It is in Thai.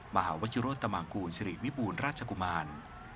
มหาวัคโยโรธตามังกูลศิริวิบูรณ์ราชกุมาร